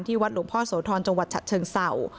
ที่วัดหลวงพ่อโสธรจังหวัดฉัดเชิงเสาร์